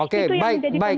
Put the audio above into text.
oke oke baik baik